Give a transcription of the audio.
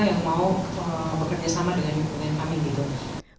yang mau bekerja sama dengan kami gitu